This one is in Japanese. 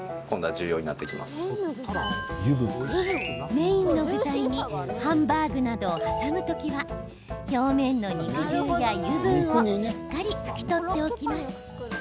メインの具材にハンバーグなどを挟む時は表面の肉汁や油分をしっかり拭き取っておきます。